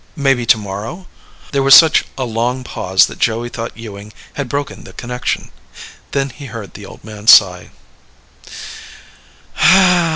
Maybe tomorrow?" There was such a long pause that Joey thought Ewing had broken the connection. Then, he heard the old man sigh.